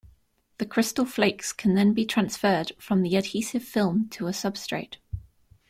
The crystal flakes can then be transferred from the adhesive film to a substrate.